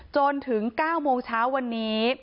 จนถึง๙โมงเช้าวันนี้